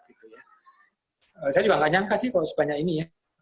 saya juga nggak nyangka sih kalau sebanyak ini ya